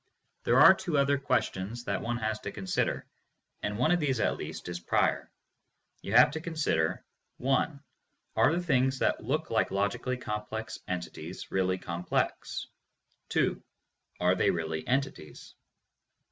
There are two other questions that one has to consider, and one of these at least is prior. You have to consider : i. Are the things that look like logically complex en tities really complex? 2. Are they really entities?